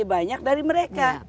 banyak dari mereka